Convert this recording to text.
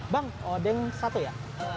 bang odeng satu ya